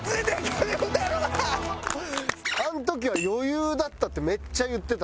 あの時は「余裕だった」ってめっちゃ言ってた。